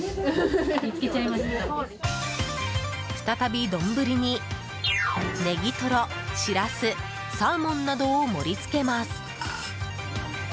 再び丼にネギトロ、シラスサーモンなどを盛り付けます。